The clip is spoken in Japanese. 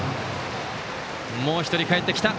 もう１人かえってきた。